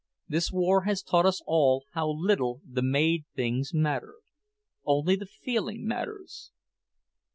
This war has taught us all how little the made things matter. Only the feeling matters."